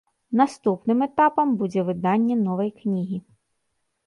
Наступным этапам будзе выданне новай кнігі.